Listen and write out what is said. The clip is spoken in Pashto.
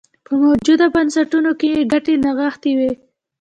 په موجوده بنسټونو کې یې ګټې نغښتې وې.